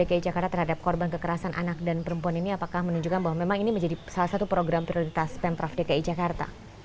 pemprov dki jakarta terhadap korban kekerasan anak dan perempuan ini apakah menunjukkan bahwa memang ini menjadi salah satu program prioritas pemprov dki jakarta